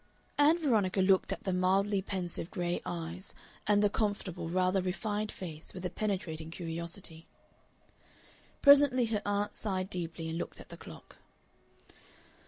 Ann Veronica looked at the mildly pensive gray eyes and the comfortable, rather refined face with a penetrating curiosity. Presently her aunt sighed deeply and looked at the clock.